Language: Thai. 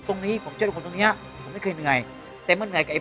ตรงนี้ผมเชื่อคนตรงนี้ไม่เคยเหนื่อยแต่มันไงกับไอ้